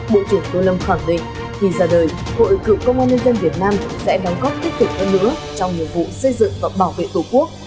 bộ trưởng tô lâm khẳng định khi ra đời hội cựu công an nhân dân việt nam sẽ đóng góp tích cực hơn nữa trong nhiệm vụ xây dựng và bảo vệ tổ quốc